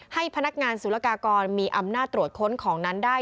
ให้พนักงานสุรกากรมีอำนาจตรวจค้นของนั้นได้